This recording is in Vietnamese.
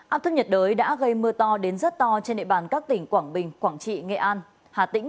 áp thấp nhiệt đới đã gây mưa to đến rất to trên địa bàn các tỉnh quảng bình quảng trị nghệ an hà tĩnh